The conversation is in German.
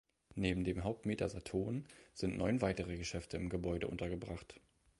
Neben dem Hauptmieter "Saturn" sind neun weitere Geschäfte im Gebäude untergebracht.